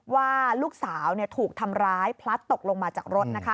ว่าลูกสาวถูกทำร้ายพลัดตกลงมาจากรถ